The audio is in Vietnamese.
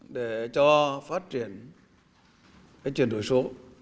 để cho phát triển cái chuyển đổi số